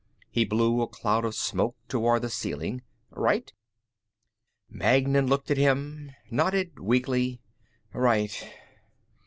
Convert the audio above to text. He blew a cloud of smoke toward the ceiling. "Right?" Magnan looked at him, nodded weakly. "Right."